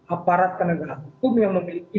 aparat penegak hukum yang memiliki